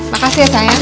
makasih ya sayang